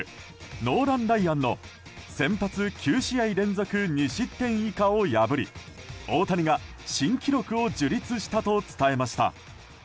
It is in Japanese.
ノーラン・ライアンの先発９試合連続２失点以下を破り大谷が新記録を樹立したと伝えました。